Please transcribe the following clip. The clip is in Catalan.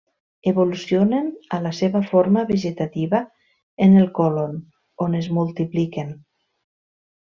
Evolucionen a la seva forma vegetativa en el colon, on es multipliquen.